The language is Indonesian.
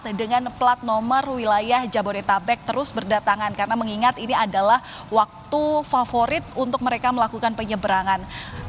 saya ingin mengingatkan kepada anda yang selalu berada di wilayah jabodetabek terus berdatangan karena mengingat ini adalah waktu favorit untuk mereka melakukan penyeberangan